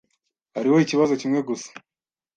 Hariho ikibazo kimwe gusa.